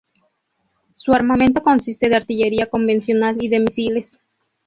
Su armamento consiste de artillería convencional y de misiles.